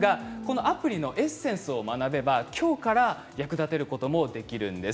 アプリのエッセンスを学べば今日から役立てることもできます。